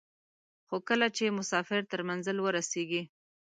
خو کله چې مسافر تر منزل ورسېږي.